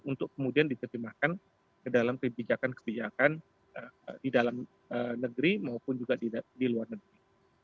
untuk kemudian diterjemahkan ke dalam kebijakan kebijakan di dalam negeri maupun juga di luar negeri